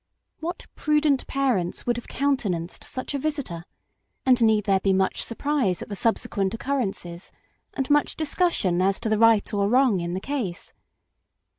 What prudent parents would have countenanced such a vistor ? And need there be much surprise at the subsequent occurrences, and much discussion as to the right or wrong in the case